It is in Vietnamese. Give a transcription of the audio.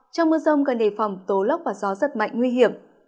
trong mưa rông cần đề phòng tố lốc và gió giật mạnh nguy hiểm